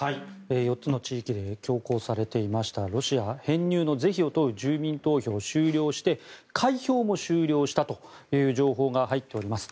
４つの地域で強行されていましたロシア編入の是非を問う住民投票終了して開票も終了したという情報が入っています。